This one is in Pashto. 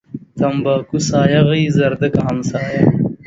تنباکو سايه غيي ، زردکه همسايه.